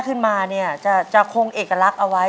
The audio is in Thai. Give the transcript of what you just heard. ขึ้นมาเนี่ยจะคงเอกลักษณ์เอาไว้